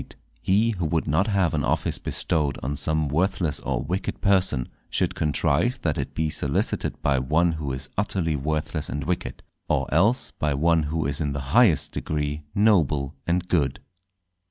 —_He who would not have an Office bestowed on some worthless or wicked Person, should contrive that it be solicited by one who is utterly worthless and wicked, or else by one who is in the highest degree noble and good.